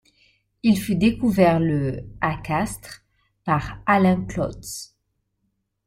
Il fut découvert le à Castres par Alain Klotz.